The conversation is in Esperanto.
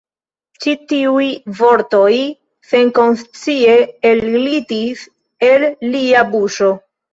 Ĉi tiuj vortoj senkonscie elglitis el lia buŝo.